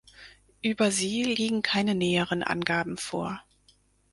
Über sie liegen keine näheren Angaben vor.